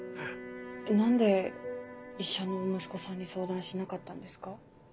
何で医者の息子さんに相談しなかったんですか？